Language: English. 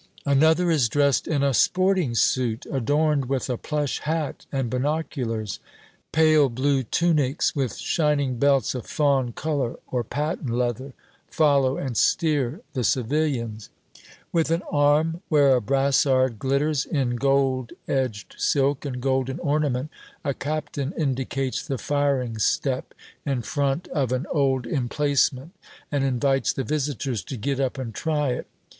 Another is dressed in a sporting suit, adorned with a plush hat and binoculars. Pale blue tunics, with shining belts of fawn color or patent leather, follow and steer the civilians. With an arm where a brassard glitters in gold edged silk and golden ornament, a captain indicates the firing step in front of an old emplacement and invites the visitors to get up and try it.